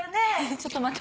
ちょっと待って。